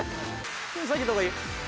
手下げた方がいい？